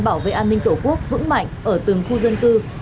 bảo vệ an ninh tổ quốc vững mạnh ở từng khu dân cư